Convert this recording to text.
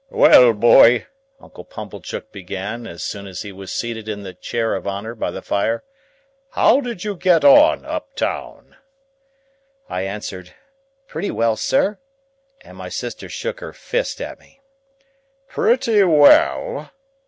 "Well, boy," Uncle Pumblechook began, as soon as he was seated in the chair of honour by the fire. "How did you get on up town?" I answered, "Pretty well, sir," and my sister shook her fist at me. "Pretty well?"